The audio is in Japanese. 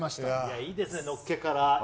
いいですね、のっけから。